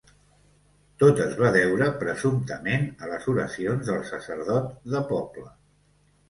Tot es va deure, presumptament, a les oracions del sacerdot de poble.